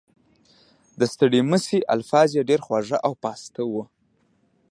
د ستړي مشي الفاظ یې ډېر خواږه او پاسته وو.